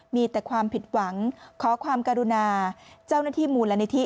มีแต่ความผิดหวังขอความกรุณาเจ้าหน้าที่มูลนิธิ